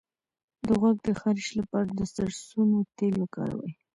د غوږ د خارش لپاره د سرسونو تېل وکاروئ